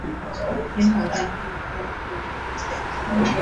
今后将更加注意和小心。